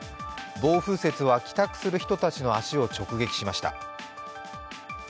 暴風雪は帰宅する人の足を直撃しました。